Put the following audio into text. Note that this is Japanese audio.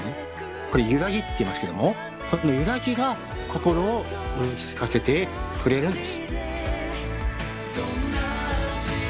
これをゆらぎっていいますけどもこのゆらぎが心を落ち着かせてくれるんです。